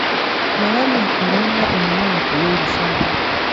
Malali ya corona inauwa watu wengi sana